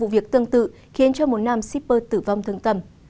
việc tương tự khiến cho một nam shipper tử vong thương tầm